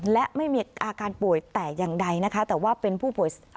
และไม่มีอาการป่วยแต่อย่างใดนะคะแต่ว่าเป็นผู้ป่วย